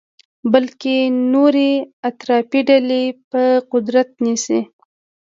بلکې نورې افراطي ډلې به قدرت نیسي.